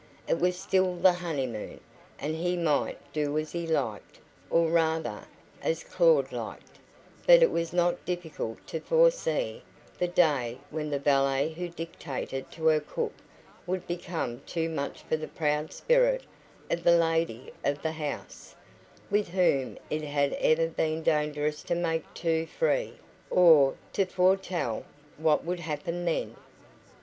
It was still the honeymoon, and he might do as he liked or rather, as Claud liked; but it was not difficult to foresee the day when the valet who dictated to her cook would become too much for the proud spirit of the lady of the house, with whom it had ever been dangerous to make too free or to foretell what would happen then.